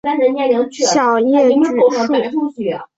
小叶榉树